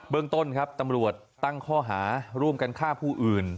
เรื่องต้นครับตำรวจตั้งข้อหาร่วมกันฆ่าผู้อื่น